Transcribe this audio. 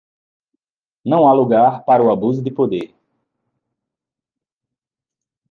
Não há lugar para o abuso de poder